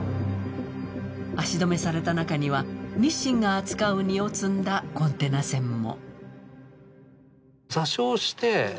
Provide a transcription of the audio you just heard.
足止めされた中には日新が扱う荷を積んだコンテナ船も。